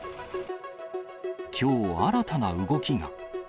きょう、新たな動きが。